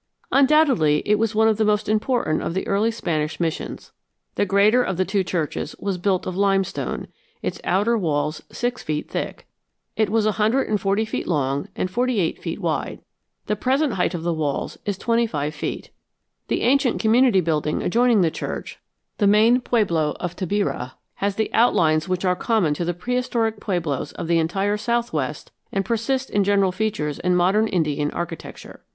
Undoubtedly, it was one of the most important of the early Spanish missions. The greater of the two churches was built of limestone, its outer walls six feet thick. It was a hundred and forty feet long and forty eight feet wide. The present height of the walls is twenty five feet. The ancient community building adjoining the church, the main pueblo of Tabirá, has the outlines which are common to the prehistoric pueblos of the entire southwest and persist in general features in modern Indian architecture.